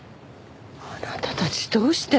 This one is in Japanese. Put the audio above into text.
あなたたちどうして。